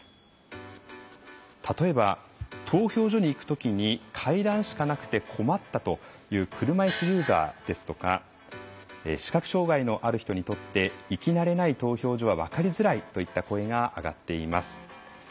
例えば投票所に行くときに階段しかなくて困ったという車いすユーザーですとか視覚障害のある人にとって行き慣れない投票所は分かりづらいといった声が上がっています。